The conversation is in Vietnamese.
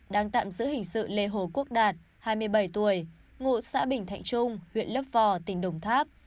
đang tạm giữ hình sự lê hồ quốc đạt hai mươi bảy tuổi ngụ xã bình thạnh trung huyện lấp vò tỉnh đồng tháp